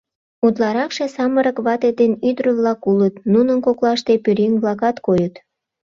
Утларакше самырык вате ден ӱдыр-влак улыт, нунын коклаште пӧръеҥ-влакат койыт.